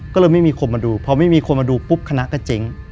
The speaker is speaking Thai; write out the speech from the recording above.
ก็เลยไม่มีคนมาดูพอไม่มีคนมาดูปุ๊บคณะก็เจ๊ง